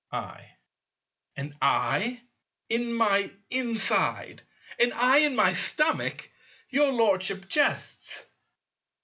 I. An eye in my inside! An eye in my stomach! Your Lordship jests.